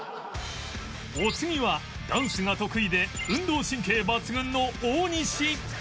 お次はダンスが得意で運動神経抜群の大西